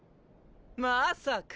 まさか！